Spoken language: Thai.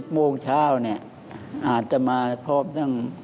๑๐โมงเช้าอาจจะมาพบทั้ง